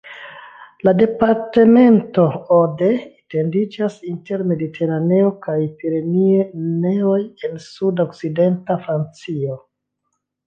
La departemento Aude etendiĝas inter Mediteraneo kaj Pireneoj en sud-okcidenta Francio.